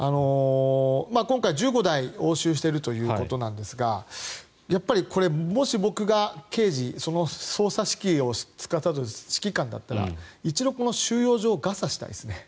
今回１５台を押収しているということなんですがもし、僕が捜査指揮をつかさどる指揮官だったら一度、この収容所をガサしたいですね。